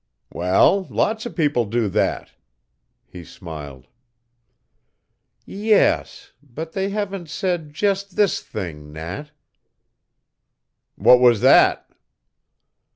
"Well, lots of people do that," he smiled. "Yes but they haven't said just this thing, Nat." "What was that?"